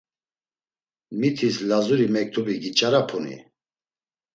Mitis Lazuri mektubi giç̌arapuni?